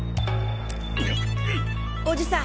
おじさん！